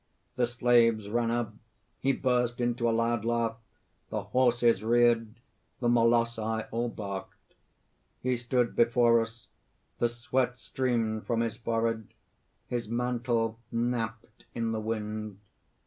The slaves ran up; he burst into a loud laugh. The horses reared; the molossi all barked. "He stood before us. The sweat streamed from his forehead; his mantle napped in the wind.